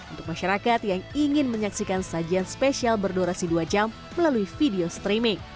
untuk masyarakat yang ingin menyaksikan sajian spesial berdurasi dua jam melalui video streaming